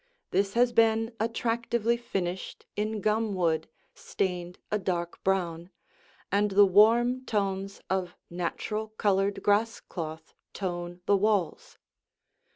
This has been attractively finished in gum wood stained a dark brown, and the warm tones of natural colored grass cloth tone the walls.